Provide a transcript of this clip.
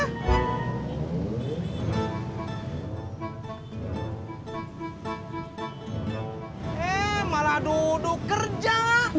he malah duduk kerja